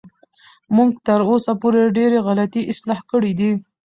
موږ تر اوسه پورې ډېرې غلطۍ اصلاح کړې دي.